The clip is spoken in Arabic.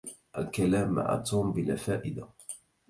الكلام مع توم بلا فائدة.